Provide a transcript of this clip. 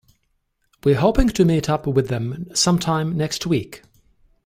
We're hoping to meet up with them sometime next week.